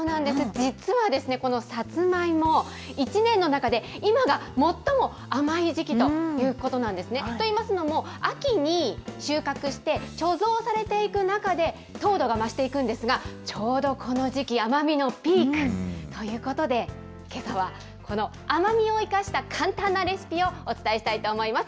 実は、このさつまいも、一年の中で、今が最も甘い時期ということなんですね。といいますのも、秋に収穫して、貯蔵されていく中で、糖度が増していくんですが、ちょうどこの時期、甘みのピークということで、けさはこの甘みを生かした簡単なレシピをお伝えしたいと思います。